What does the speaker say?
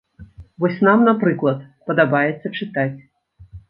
Вось нам, напрыклад, падабаецца чытаць.